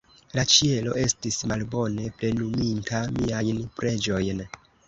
La Ĉielo estis malbone plenuminta miajn preĝojn.